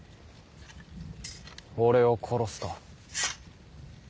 俺を殺すか？